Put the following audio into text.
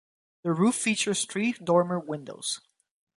The roof features three dormer windows.